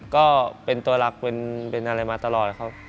ก็เป็นตัวหลักเป็นอะไรมาตลอดครับ